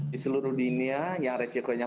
di seluruh dunia yang resikonya